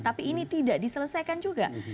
tapi ini tidak diselesaikan juga